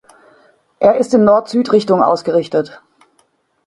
Er ist in Nord-Süd-Richtung ausgerichtet.